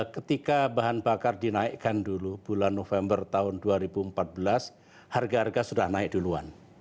ketika bahan bakar dinaikkan dulu bulan november tahun dua ribu empat belas harga harga sudah naik duluan